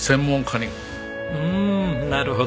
うんなるほど。